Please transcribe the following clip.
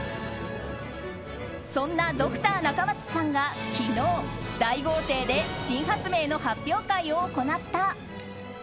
そんなドクター中松さんが昨日、大豪邸で新発明の発表会を行った。